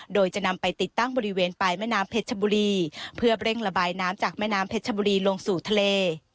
โดยจะนำไปติดตั้งบริเวณปลายแม่น้ำเพชรชบุรีเพื่อเร่งระบายน้ำจากแม่น้ำเพชรชบุรีลงสู่ทะเล